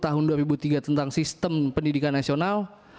undang undang nomor dua belas tahun dua ribu tiga tentang sistem pendidikan nasional